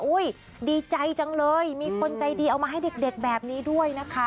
ดีใจจังเลยมีคนใจดีเอามาให้เด็กแบบนี้ด้วยนะคะ